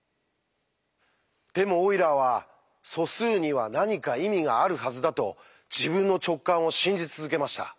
でもオイラーは素数には何か意味があるはずだと自分の直感を信じ続けました。